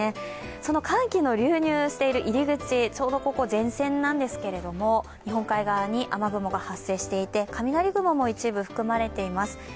その寒気の流入している入り口、前線なんですけれども、日本海側に雨雲が発生していて、雷雲も一部含まれています。